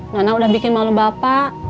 nana udah bikin malu bapak